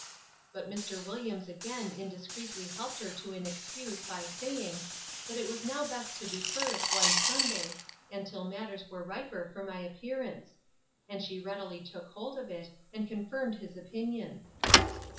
But Mr. Williams again indiscreetly helped her to an excuse, by saying, that it was now best to defer it one Sunday, and till matters were riper for my appearance: and she readily took hold of it, and confirmed his opinion.